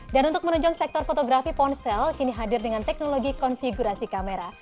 dan untuk menunjung sektor fotografi ponsel kini hadir dengan teknologi konfigurasi kamera